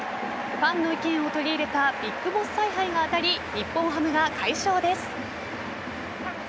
ファンの意見を取り入れたＢＩＧＢＯＳＳ采配が当たり日本ハムが快勝です。